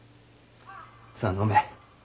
さあ飲め。